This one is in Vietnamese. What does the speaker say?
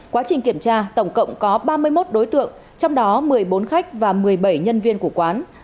quá trình kiểm tra tổng cộng có ba mươi một đối tượng trong đó một mươi bốn khách và một mươi bảy nhân viên của quán